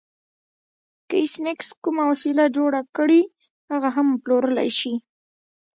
که ایس میکس کومه وسیله جوړه کړي هغه هم پلورلی شي